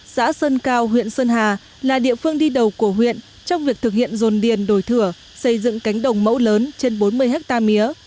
xã sơn cao huyện sơn hà là địa phương đi đầu của huyện trong việc thực hiện dồn điền đổi thửa xây dựng cánh đồng mẫu lớn trên bốn mươi hectare mía